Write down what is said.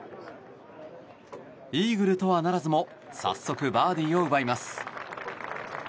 イーグルとはならずも早速バーディーを奪います。